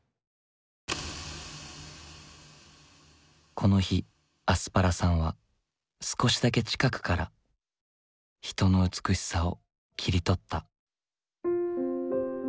この日アスパラさんは少しだけ近くから人の美しさを切り取った。